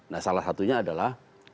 nah salah satunya adalah